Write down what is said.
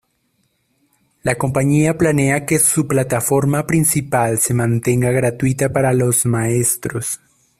La compañía planea que su plataforma principal se mantenga gratuita para los maestros.